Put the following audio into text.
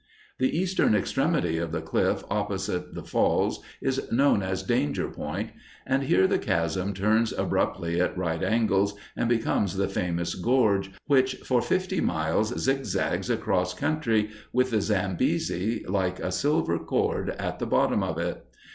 The eastern extremity of the cliff opposite the Falls is known as Danger Point; and here the Chasm turns abruptly at right angles, and becomes the famous Gorge which for fifty miles zigzags across country, with the Zambesi like a silver cord at the bottom of it.